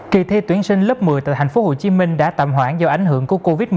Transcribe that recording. kỳ thi tuyển sinh lớp một mươi tại thành phố hồ chí minh đã tạm hoãn do ảnh hưởng của covid một mươi chín